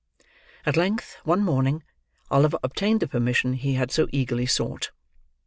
At length, one morning, Oliver obtained the permission he had so eagerly sought.